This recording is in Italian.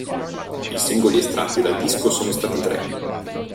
I singoli estratti dal disco sono stati tre.